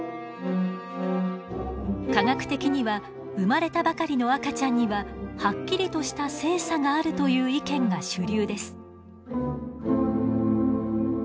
科学的には生まれたばかりの赤ちゃんにははっきりとした性差があるという意見が主流です。